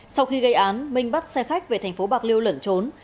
sau khi gây án minh bắt xe khách về tp bạc liêu lẩn trốn